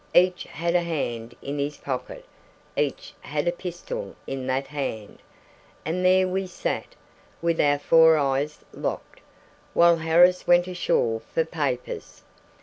Each had a hand in his pocket, each had a pistol in that hand, and there we sat, with our four eyes locked, while Harris went ashore for papers.